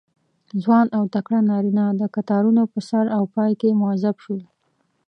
ځوان او تکړه نارینه د کتارونو په سر او پای کې موظف شول.